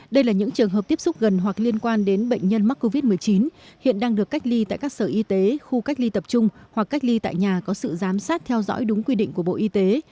đây là những trường hợp tiếp xúc gần hoặc liên quan đến bệnh nhân mắc covid một mươi chín hiện đang được cách ly tại các sở y tế khu cách ly tập trung hoặc cách ly tại nhà có sự giám sát theo dõi đúng quy định của bộ y tế